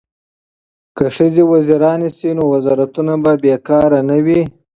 که ښځې وزیرانې شي نو وزارتونه به بې کاره نه وي.